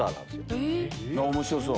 面白そう。